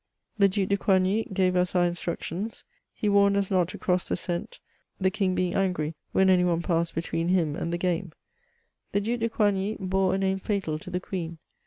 * The Duke de Coigny gave us our instructions ; he warned us not to cross the scent, the King being angry when any one passed between him and the game. • The Due de Coigny bore a name fatal to the Queen.